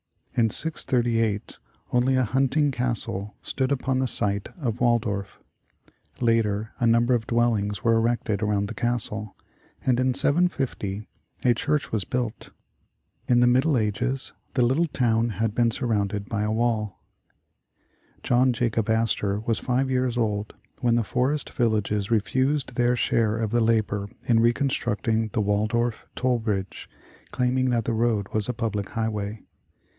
In 638 only a hunting castle stood upon the site of Waldorf. Later a number of dwellings were erected around the castle, and in 750 a church was built. In the middle ages the little town had been surrounded by a wall. John Jacob Astor was ^yq^ years old when the for est villages refused their share of the labor in recon structing the Waldorf toll bridge, claiming that the road was a public highway.